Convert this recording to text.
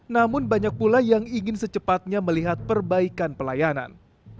namun banyak pula yang ingin secepatnya melihat perbaikan pelayanan